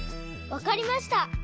わかりました！